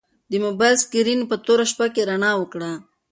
د موبایل سکرین په توره شپه کې رڼا وکړه.